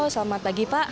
selamat pagi pak